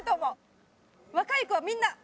若い子はみんな。